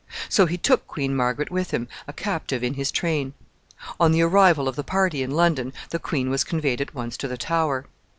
So he took Queen Margaret with him, a captive in his train. On the arrival of the party in London, the queen was conveyed at once to the Tower.